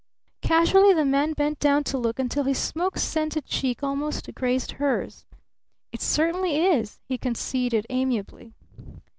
Casually the man bent down to look until his smoke scented cheek almost grazed hers. "It certainly is!" he conceded amiably.